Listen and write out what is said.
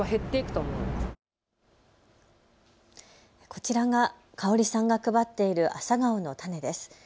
こちらが香さんが配っている朝顔の種です。